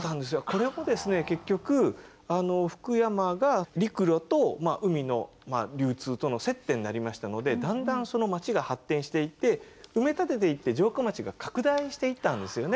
これもですね結局福山が陸路と海の流通との接点になりましたのでだんだん町が発展していって埋め立てていって城下町が拡大していったんですよね。